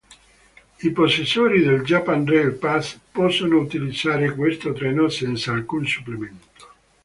I possessori del Japan Rail Pass possono utilizzare questo treno senza alcun supplemento.